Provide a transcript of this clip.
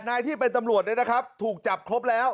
นายที่เป็นตำรวจเนี่ยนะครับถูกจับครบแล้ว